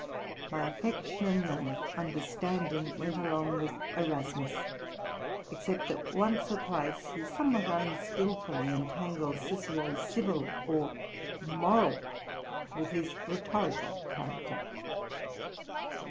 My affection and understanding went along with Erasmus, except that once or twice he somewhat unskilfully entangles Cicero's civil or moral, with his rhetorical, character.